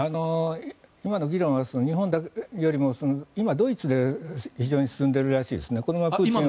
今の議論は日本よりも今、ドイツで非常に進んでいるらしいですね。